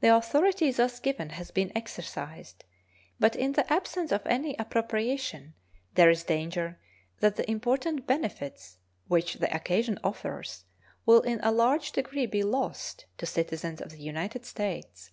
The authority thus given has been exercised, but, in the absence of any appropriation, there is danger that the important benefits which the occasion offers will in a large degree be lost to citizens of the United States.